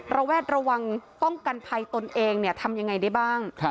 ระแวดระวังป้องกันภัยตนเองทำยังไงได้บ้าง